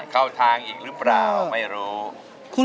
เข้าทางอีกหรือเปล่าไม่รู้